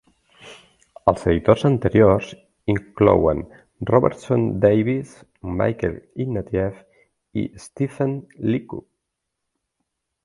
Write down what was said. Els editors anteriors inclouen Robertson Davies, Michael Ignatieff i Stephen Leacock.